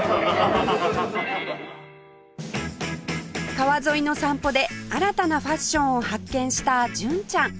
川沿いの散歩で新たなファッションを発見した純ちゃん